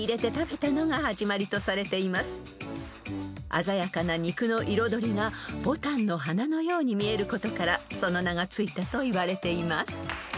［鮮やかな肉の彩りがボタンの花のように見えることからその名が付いたといわれています］